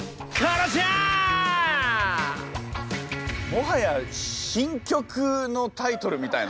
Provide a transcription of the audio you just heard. もはや新曲のタイトルみたいな。